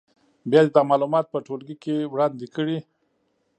بیا دې دا معلومات په ټولګي کې وړاندې کړي.